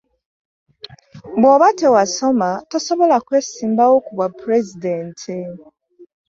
Bwooba tewasoma tosobola kwesimbawo ku bwa pulezidenti.